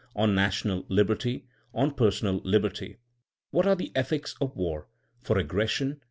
on national liberty? on personal liberty? What are the ethics of war? for ag gression?